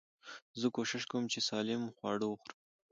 زه کوشش کوم، چي سالم خواړه وخورم.